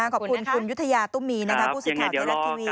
ขอบคุณคุณยุธยาตุ้มมีผู้สื่อข่าวไทยรัฐทีวี